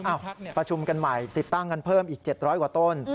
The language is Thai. ประชุมกันใหม่ติดตั้งกันเพิ่มอีก๗๐๐กว่าต้น